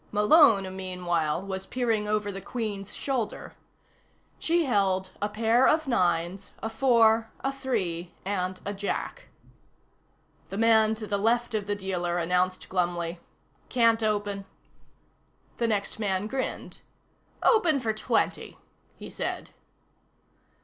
Malone, meanwhile, was peering over the Queen's shoulder. She held a pair of nines, a four, a three and a Jack. The man to the left of the dealer announced glumly: "Can't open." The next man grinned. "Open for twenty," he said.